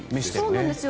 そうなんです。